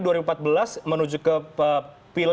harusnya diverifikasi karena tadi alasan pak dini adalah